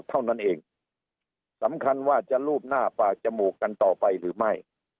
เท่านั้นเองสำคัญว่าจะรูปหน้าปากจมูกกันต่อไปหรือไม่